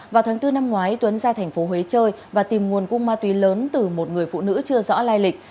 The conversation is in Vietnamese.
vào tháng bốn năm ngoái tuấn ra tp huế chơi và tìm nguồn cung ma túy lớn từ một người phụ nữ chưa rõ lai lịch